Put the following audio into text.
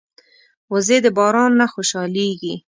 وزې د باران نه خوشحالېږي